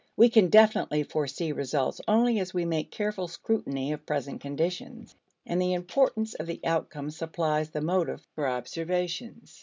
We can definitely foresee results only as we make careful scrutiny of present conditions, and the importance of the outcome supplies the motive for observations.